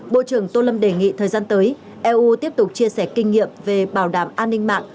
bộ trưởng tô lâm đề nghị thời gian tới eu tiếp tục chia sẻ kinh nghiệm về bảo đảm an ninh mạng